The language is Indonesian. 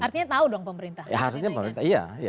artinya tahu dong pemerintah